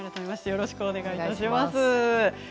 よろしくお願いします。